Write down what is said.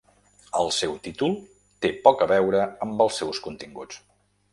El seu títol té poc a veure amb els seus continguts.